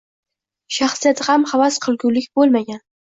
Shaxsiyati ham havas qilgulik bo‘lmagan.